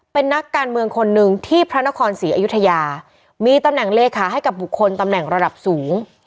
เป็นนักการเมืองคนหนึ่งที่พระนครศรีอยุธยามีตำแหน่งเลขาให้กับบุคคลตำแหน่งระดับสูง